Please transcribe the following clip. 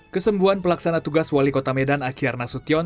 kesembuhan pelaksana tugas wali kota medan akyar nasution